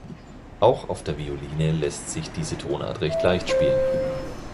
Auch auf der Violine lässt sich diese Tonart recht leicht spielen.